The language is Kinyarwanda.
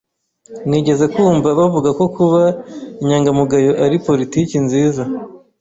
Nigeze kumva bavuga ko kuba inyangamugayo ari politiki nziza.